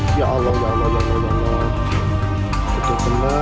oke ya allah ya allah ya allah ya allah ya allah